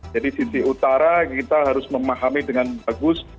jadi sisi utara kita harus memahami dengan bagus